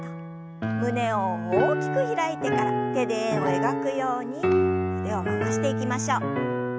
胸を大きく開いてから手で円を描くように腕を回していきましょう。